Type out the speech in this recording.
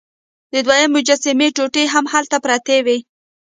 د دوهمې مجسمې ټوټې هم هلته پرتې وې.